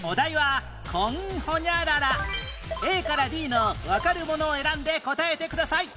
Ａ から Ｄ のわかるものを選んで答えてください